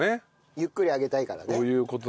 ゆっくり揚げたいからね。